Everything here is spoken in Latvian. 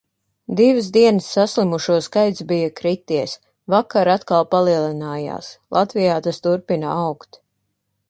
Divas dienas saslimušo skaits bija krities. Vakar atkal palielinājās. Latvijā tas turpina augt.